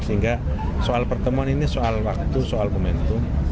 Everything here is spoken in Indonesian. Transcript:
sehingga soal pertemuan ini soal waktu soal momentum